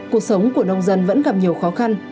cuộc sống của nông dân vẫn gặp nhiều khó khăn